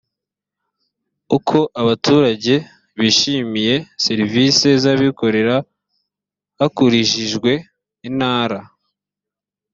uko abaturage bishimiye serivisi z abikorera hakurijijwe intara